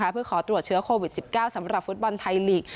เพื่อขอตรวจเชื้อโควิด๑๙สำหรับฟุตบอลไทยลีก